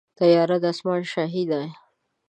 طیاره د اسمان شاهي ده.